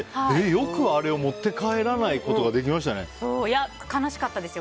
よくあれを持って帰らないことが悲しかったですよ